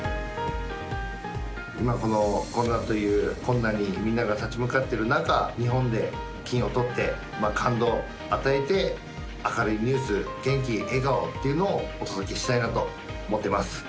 今、コロナという困難にみんなが立ち向かっている中日本で金をとって、感動を与えて明るいニュース元気、笑顔というのをお届けしたいなと思ってます。